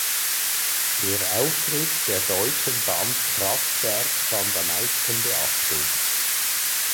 Der Auftritt der deutschen Band Kraftwerk fand am meisten Beachtung.